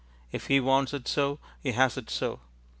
If he wants it so, he has it so.